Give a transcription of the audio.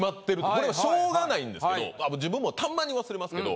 これはしょうがないんですけど自分もたまに忘れますけど。